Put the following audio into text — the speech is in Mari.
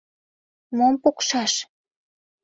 Мом пукшаш